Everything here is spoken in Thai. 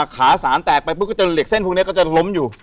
ขาสารแตกไปปุ๊บก็จะเหล็กเส้นพวกนี้ก็จะล้มอยู่